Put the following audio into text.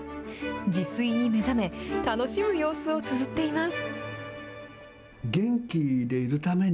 自炊に目覚め、楽しむ様子をつづっています。